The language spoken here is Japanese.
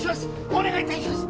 お願いいたします！